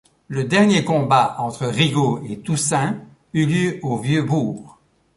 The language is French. Le dernier combat entre Rigaud et Toussaint eut lieu au vieux bourg.